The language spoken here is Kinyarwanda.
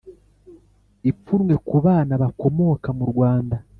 Ipfunwe ku bana bakomoka murwanda